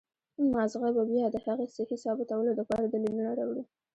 مازغه به بيا د هغې سهي ثابتولو د پاره دليلونه راوړي